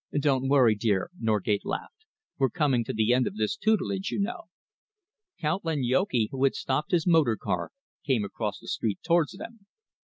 "Don't worry, dear," Norgate laughed. "We're coming to the end of this tutelage, you know." Count Lanyoki, who had stopped his motor car, came across the street towards them.